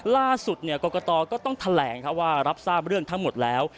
ล่าสุดกรกตก็ต้องแถลงว่ารับทราบเรื่องทั้งหมดแล้ว